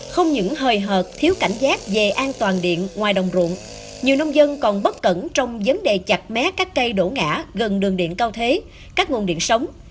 không những hời hợt thiếu cảnh giác về an toàn điện ngoài đồng ruộng nhiều nông dân còn bất cẩn trong vấn đề chặt mé các cây đổ ngã gần đường điện cao thế các nguồn điện sống